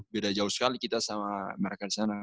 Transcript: beda jauh sekali kita sama mereka disana